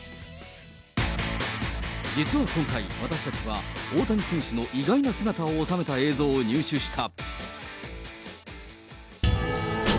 実は今回、私たちは大谷選手の意外な姿を収めた映像を入手した。